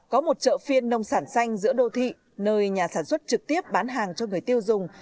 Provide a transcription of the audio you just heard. có một chợ phiên nông sản xanh giữa đô thị nơi nhà sản xuất trực tiếp bán hàng cho người tiêu dùng